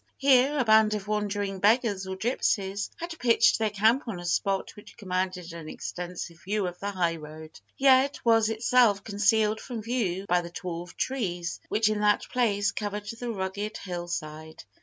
Here a band of wandering beggars or gypsies had pitched their camp on a spot which commanded an extensive view of the high road, yet was itself concealed from view by the dwarf trees which in that place covered the rugged hill side.